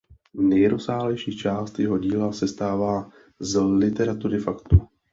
Nejrozsáhlejší část jeho díla sestává z literatury faktu.